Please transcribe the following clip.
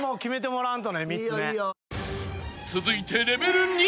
［続いてレベル２。